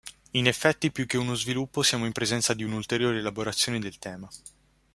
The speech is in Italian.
In effetti più che uno sviluppo siamo in presenza di un'ulteriore elaborazione del tema.